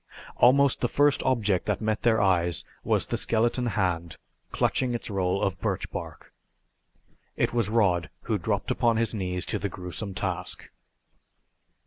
Almost the first object that met their eyes was the skeleton hand clutching its roll of birch bark. It was Rod who dropped upon his knees to the gruesome task.